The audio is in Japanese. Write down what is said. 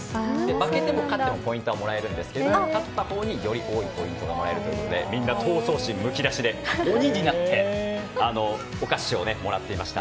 負けても勝ってもポイントがもらえるんですが勝ったほうにより多いポイントがもらえるということでみんな闘争心むき出しで鬼になってお菓子をもらっていました。